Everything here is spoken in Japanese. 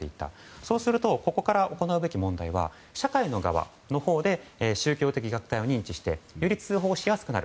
そうするとここから行うべき問題は社会の側のほうで宗教的虐待を認知してより通報しやすくなる。